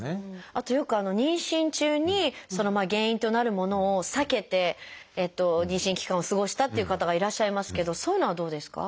あとよく妊娠中に原因となるものを避けて妊娠期間を過ごしたっていう方がいらっしゃいますけどそういうのはどうですか？